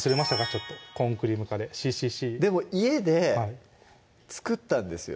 ちょっと「コーンクリームカレー」ＣＣＣでも家で作ったんですよ